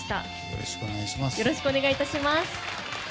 よろしくお願いします。